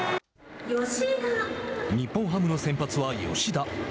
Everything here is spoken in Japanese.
日本ハムの先発は吉田。